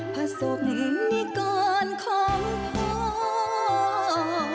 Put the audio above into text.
ผสมในกรของพ่อ